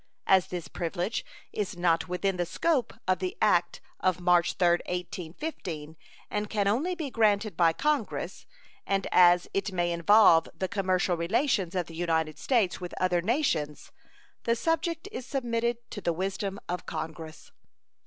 As this privilege is not within the scope of the act of March 3rd, 1815, and can only be granted by Congress, and as it may involve the commercial relations of the United States with other nations, the subject is submitted to the wisdom of Congress.